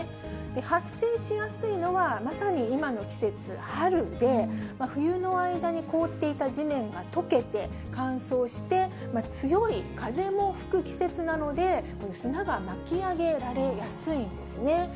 発生しやすいのはまさに今の季節、春で、冬の間に凍っていた地面がとけて、乾燥して、強い風も吹く季節なので、砂が巻き上げられやすいんですね。